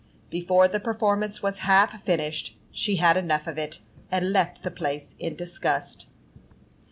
Before the performance was half finished, she had enough of it, and left the place in disgust.